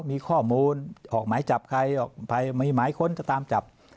มีข้อมูลออกหมายจับใครออกใครมีหมายค้นจะตามจับ